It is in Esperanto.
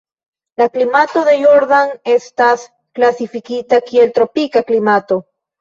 La klimato de Jordan estas klasifikita kiel tropika klimato.